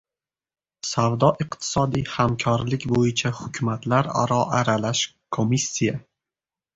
Savdo-iqtisodiy hamkorlik bo‘yicha hukumatlararo aralash komissiya